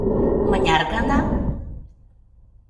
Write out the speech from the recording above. Мыняр гана?